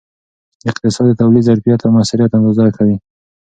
اقتصاد د تولید ظرفیت او موثریت اندازه کوي.